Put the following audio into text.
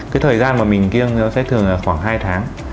cái thời gian mà mình kiêng nó sẽ thường khoảng hai tháng